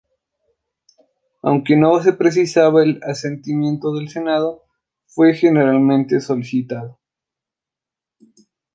Aunque no se precisaba el asentimiento del Senado, fue generalmente solicitado.